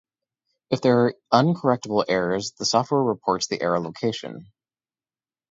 If there are uncorrectable errors the software reports the error location.